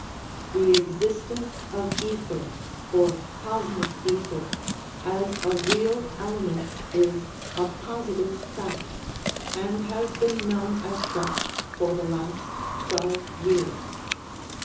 The existence of ether (or cosmic ether) as a real ele ment is a positive fact, and has been known as such for the last twelve years.